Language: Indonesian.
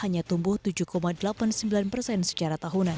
hanya tumbuh tujuh delapan puluh sembilan persen secara tahunan